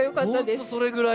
本当それぐらい。